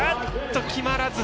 決まらず。